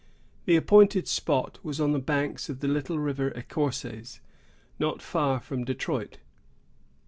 The appointed spot was on the banks of the little River Ecorces, not far from Detroit.